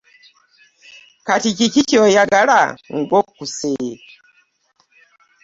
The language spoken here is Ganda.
Kati kiki ky'oyagala ng'okkuse?